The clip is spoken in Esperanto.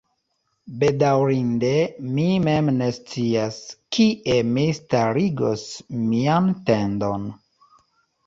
Bedaŭrinde, mi mem ne scias, kie mi starigos mian tendon.